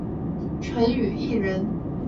陈与义人。